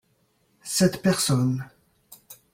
Cette personne.